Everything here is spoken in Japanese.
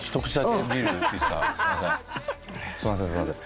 すいませんすいません